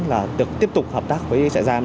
là được tiếp tục hợp tác với trại giam